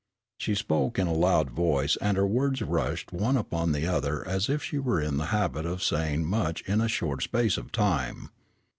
She spoke in a loud voice, and her words rushed one upon the other as if she were in the habit of saying much in a short space of time.